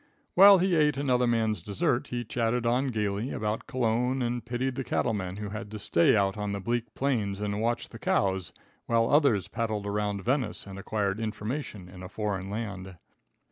While he ate another man's dessert, he chatted on gaily about Cologne and pitied the cattle man who had to stay out on the bleak plains and watch the cows, while others paddled around Venice and acquired information in a foreign land.